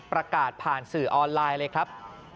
ประกาศผ่านสื่อออนไลน์เลยครับ